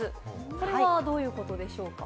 これはどういうことでしょうか？